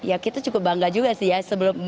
ya kita cukup bangga juga sih ya